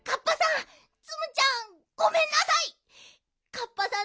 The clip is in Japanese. カッパさん